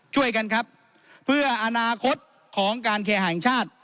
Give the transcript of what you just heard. ช่วยกันครับเพื่ออนาคตของการเคแห่งชาติ